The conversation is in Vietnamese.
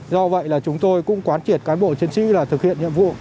do vậy là chúng tôi cũng quán triệt cán bộ chiến sĩ là thực hiện nhiệm vụ